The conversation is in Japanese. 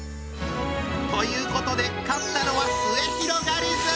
ということで勝ったのはすゑひろがりず！